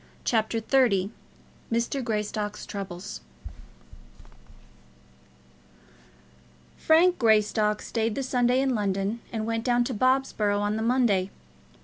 CHAPTER XXX Mr. Greystock's Troubles Frank Greystock stayed the Sunday in London and went down to Bobsborough on the Monday.